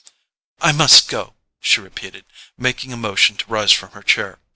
"I must go," she repeated, making a motion to rise from her chair.